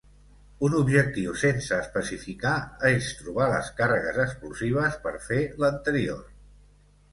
Un objectiu sense especificar és trobar les càrregues explosives per fer l'anterior.